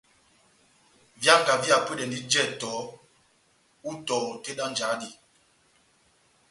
Výanga vihapwedɛndi jɛtɔ ó itɔhɔ tɛ́h dá njáhá dí.